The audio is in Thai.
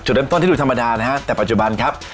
เริ่มต้นที่ดูธรรมดานะฮะแต่ปัจจุบันครับ